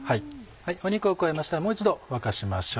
肉を加えましたらもう一度沸かしましょう。